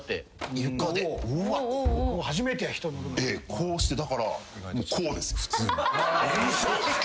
こうしてだからこうです普通に。